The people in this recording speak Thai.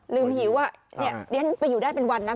ลืมหิวอ่ะเดี๋ยวนี้ไปอยู่ได้เป็นวันนะ